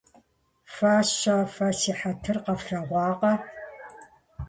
- Фэ-щэ. Фэ си хьэтыр къэфлъэгъуакъэ?